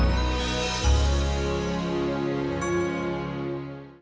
nah aceh po